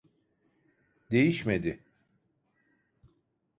Değişmedi